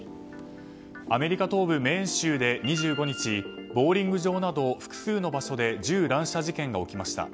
アメリカ東部メーン州で２５日ボウリング場など複数の場所で銃乱射事件が起きました。